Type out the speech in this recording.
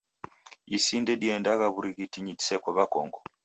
Isi ndediendagha w'urighitingi diseko w'akongo.